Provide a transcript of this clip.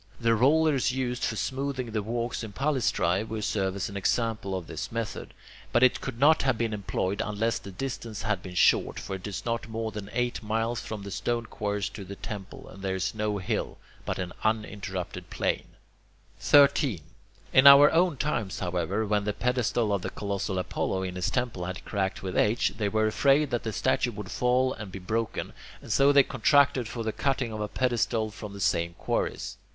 The rollers used for smoothing the walks in palaestrae will serve as an example of this method. But it could not have been employed unless the distance had been short; for it is not more than eight miles from the stone quarries to the temple, and there is no hill, but an uninterrupted plain. 13. In our own times, however, when the pedestal of the colossal Apollo in his temple had cracked with age, they were afraid that the statue would fall and be broken, and so they contracted for the cutting of a pedestal from the same quarries.